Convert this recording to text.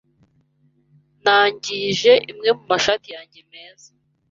Nangije imwe mu mashati yanjye meza